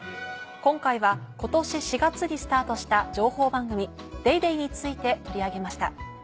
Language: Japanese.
今回は今年４月にスタートした情報番組『ＤａｙＤａｙ．』について取り上げました。